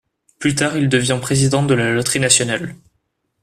Plus tard il devient président de la loterie nationale.